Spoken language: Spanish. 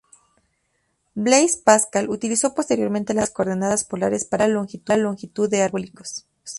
Blaise Pascal utilizó posteriormente las coordenadas polares para calcular la longitud de arcos parabólicos.